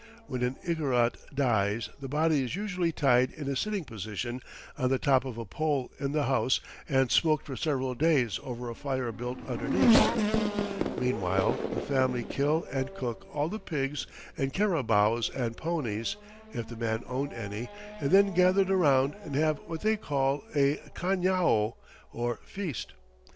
When an Igorot dies the body is usually tied in a sitting position on the top of a pole in the house and smoked for several days over a fire built underneath it. Meanwhile, the family kill and cook all the pigs and carabaos and ponies, if the man owned any, and then gather around and have what they call a cañao, or feast.